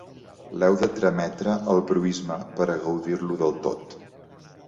L'heu de trametre al proïsme per a gaudir-lo del tot.